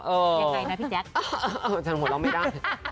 เออยังไงนะพี่แจ๊คเออฉันหัวล้อไม่ได้